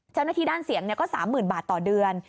เจ้าหน้าที่ด้านเสียงก็๓๐๐๐บาทต่อเดือน